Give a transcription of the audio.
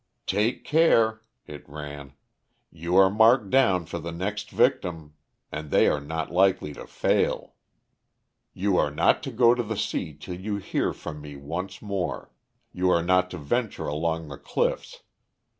"Take care," it ran. "You are marked down for the next victim; and they are not likely to fail. You are not to go on the sea till you hear from me once more; you are not to venture along the cliffs.